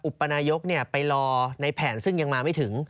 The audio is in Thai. ปนายกไปรอในแผนซึ่งยังมาไม่ถึง